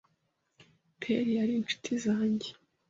Peri yari inshuti zanjye